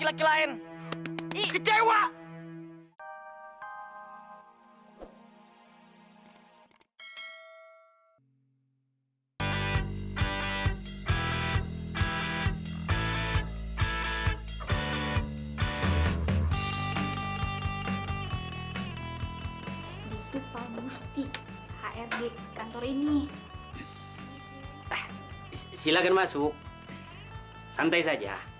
tahu di mana